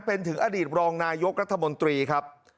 เป็นถึงอดีตรองนายกรัฐมนตรีครับ